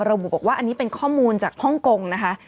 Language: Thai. ระบุบอกว่าอันนี้เป็นข้อมูลจากฮ่องกงนะคะ